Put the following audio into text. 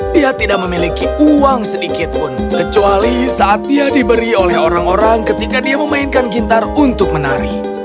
dia tidak memiliki uang sedikitpun kecuali saat dia diberi oleh orang orang ketika dia memainkan gitar untuk menari